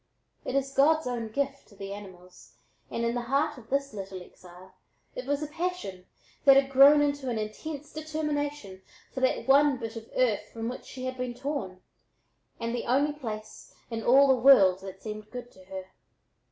It is God's own gift to the animals and in the heart of this little exile it was a passion that had grown into an intense determination for that one bit of earth from which she had been torn, and the only place in all the world that seemed good to her.